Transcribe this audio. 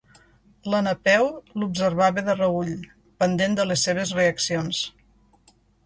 La Napeu l'observava de reüll, pendent de les seves reaccions.